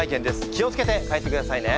気を付けて帰ってくださいね。